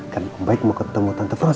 kan om baik mau ketemu tante frozen